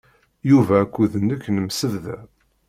Yuba akked nekk nemsebḍa.